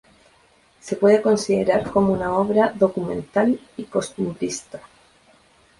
Se puede considerar como una obra documental y costumbrista.